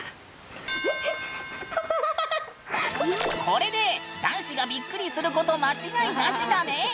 これで男子がびっくりすること間違いなしだね！